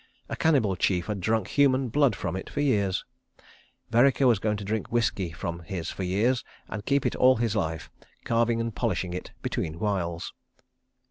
A cannibal chief had drunk human blood from it for years. ... Vereker was going to drink whisky from his for years, and keep it all his life—carving and polishing it between whiles.